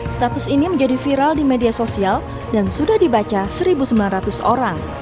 status ini menjadi viral di media sosial dan sudah dibaca satu sembilan ratus orang